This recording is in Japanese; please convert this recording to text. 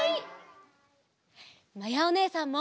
まやおねえさんも！